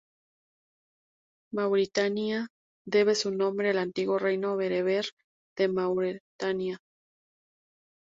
Mauritania debe su nombre al antiguo reino bereber de Mauretania.